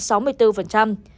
sau đó ông trịnh văn quyết nói rằng